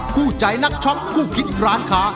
คู่ใจนักช็อคคู่คิดร้านค้า